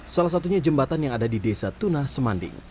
salah satunya jembatan yang ada di desa tuna semanding